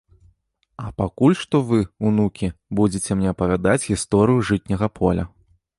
А пакуль што вы, унукі, будзеце мне апавядаць гісторыю жытняга поля.